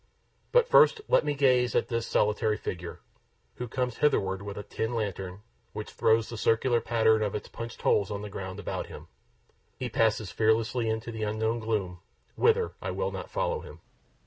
But first let me gaze at this solitary figure, who comes hitherward with a tin lantern, which throws the circular pattern of its punched holes on the ground about him. He passes fearlessly into the unknown gloom, whither I will not follow him.